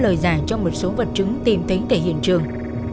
đã có lời giải cho một số vật chứng tìm thấy tại hiện trường